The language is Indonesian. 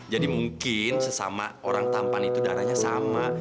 jadi mungkin sesama orang tampan itu darahnya sama